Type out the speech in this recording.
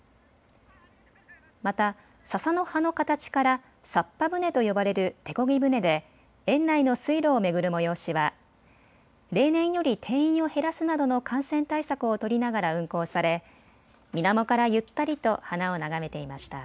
また、ささの葉の形からさっぱ舟と呼ばれる手こぎ舟で園内の水路を巡る催しは例年より定員を減らすなどの感染対策を取りながら運航されみなもからゆったりと花を眺めていました。